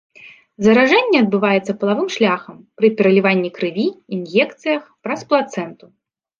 Заражэнне адбываецца палавым шляхам, пры пераліванні крыві, ін'екцыях, праз плацэнту.